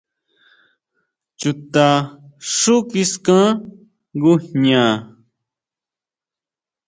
Chuta xú kiskan ngujña.